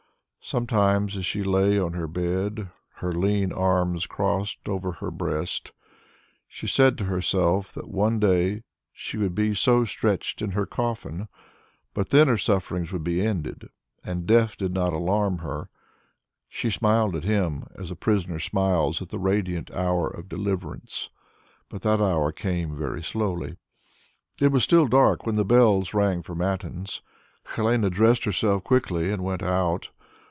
Sometimes, as she lay on her bed, her lean arms crossed over her breast, she said to herself, that one day she would be so stretched in her coffin, but then her sufferings would be ended, and death did not alarm her; she smiled at him as a prisoner smiles at the radiant hour of deliverance. But that hour came very slowly. It was still dark when the bells rang for matins. Helene dressed herself quickly and went out.